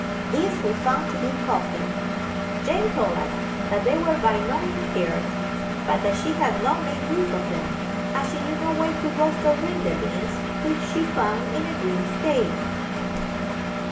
These we found to be COF FEE. Jane told us that they were by no means scarce, but that she had not made use of them, as she knew no way to roast or grind the beans, which she found in a green state.